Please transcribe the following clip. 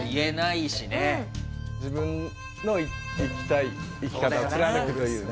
自分の生きたい生き方を貫くというね。